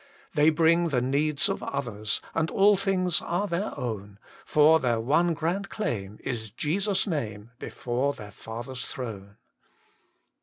They bring the needs of others, And all things are their own, For their one grand claim Is Jcsu s name Before their Father s throne.